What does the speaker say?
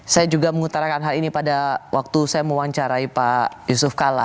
saya juga mengutarakan hal ini pada waktu saya mewawancarai pak yusuf kala